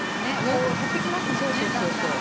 こう減ってきますもんねだんだん。